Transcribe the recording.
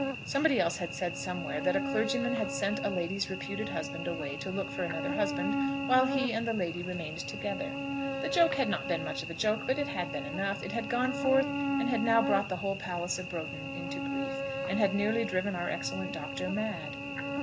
Somebody else had said somewhere that a clergyman had sent a lady's reputed husband away to look for another husband, while he and the lady remained together. The joke had not been much of a joke, but it had been enough. It had gone forth, and had now brought the whole palace of Broughton into grief, and had nearly driven our excellent Doctor mad!